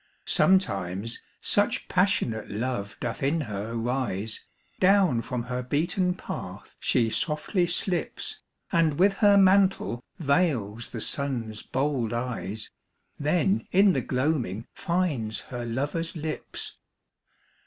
Sometimes such passionate love doth in her rise, Down from her beaten path she softly slips, And with her mantle veils the Sun's bold eyes, Then in the gloaming finds her lover's lips.